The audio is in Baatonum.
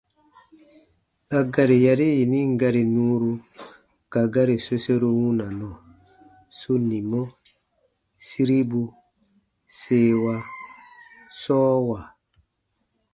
A gari yari yinin gari nuuru ka gari soseru wunanɔ: sunimɔ- siribu- seewa- sɔɔwa.